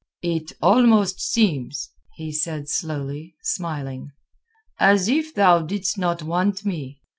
"It almost seems," he said slowly, smiling, "as if thou didst not want me.